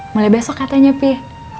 mulai besok katanya peh